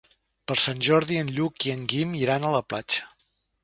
Per Sant Jordi en Lluc i en Guim iran a la platja.